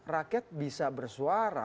rakyat bisa bersuara